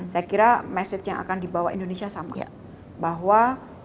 saya kira message yang akan dibawa indonesia sama bahwa